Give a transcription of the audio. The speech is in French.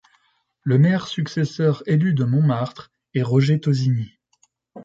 Le maire successeur élu de Montmartre est Roger Toziny.